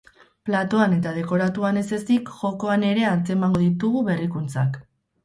Platoan eta dekoratuan ez ezik, jokoan ere antzemango ditugu berrikuntzak.